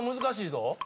難しいぞ。